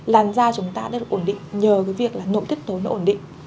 làn da chúng ta đều ổn định nhờ cái việc là nội tiết tố nó ổn định